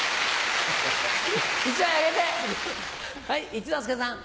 一之輔さん。